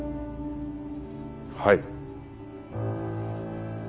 はい。